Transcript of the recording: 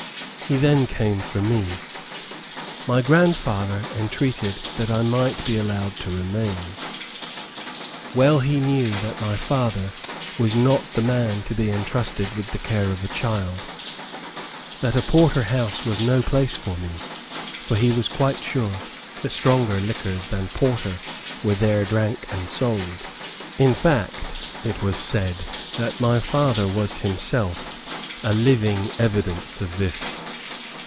He then came for me. My grandfather entreated that I might be allowed to remain. Well he knew that my father was not the man to be entrusted with the care of a child that a Porter House was no place for me, for he was quite sure that stronger liquors than porter were there drank and sold. In fact, it was said, that my father was himself a living evidence of this.